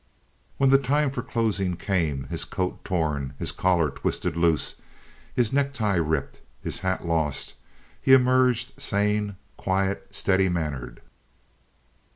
When the time for closing came, his coat torn, his collar twisted loose, his necktie ripped, his hat lost, he emerged sane, quiet, steady mannered.